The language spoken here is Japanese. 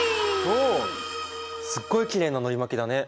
おすっごいきれいなのり巻きだね。